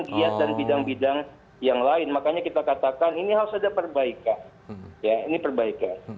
giat dan bidang bidang yang lain makanya kita katakan ini harus ada perbaikan ya ini perbaikan